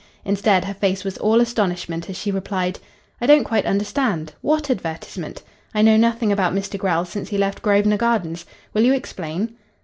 Instead, her face was all astonishment as she replied "I don't quite understand. What advertisement? I know nothing about Mr. Grell since he left Grosvenor Gardens. Will you explain?"